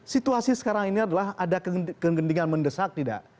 situasi sekarang ini adalah ada kegentingan mendesak tidak